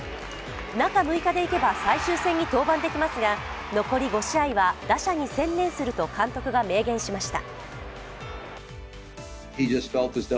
中６日でいけば最終戦に登板できますが、残り５試合は打者に専念すると、監督が明言しました。